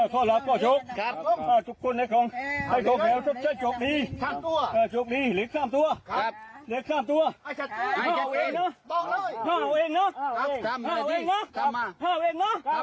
ขอลาบคอชกหน่อยครับครับ